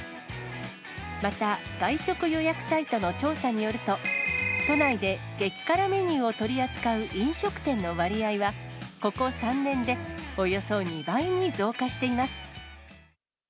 また、外食予約サイトの調査によると、都内で激辛メニューを取り扱う飲食店の割合は、ここ３年でおよそ２倍に増加しています。